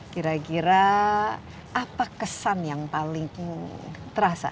kira kira apa kesan yang paling terasa